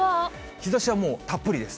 日ざしはもうたっぷりです。